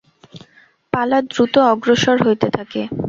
পালা দ্রুত অগ্রসর হইতে থাকে।